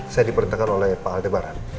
saya diperintahkan oleh pak aldebaran